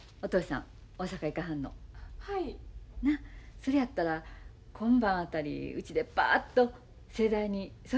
なっそれやったら今晩あたりうちでパッと盛大に送別会でもしよか。